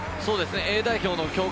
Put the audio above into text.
Ａ代表の強化